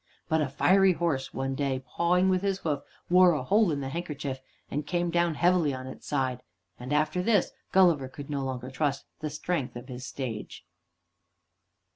But a fiery horse one day, pawing with his hoof, wore a hole in the handkerchief, and came down heavily on its side, and after this Gulliver could no longer trust the strength of his stage.